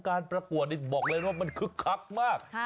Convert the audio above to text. การประกวดบอกเลยว่ามันคือคักมาก